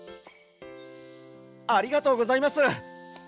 ありがとうございます。